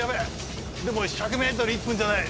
でも１００ｍ１分じゃない。